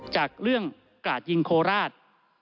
จากเรื่องกราดยิงโคราช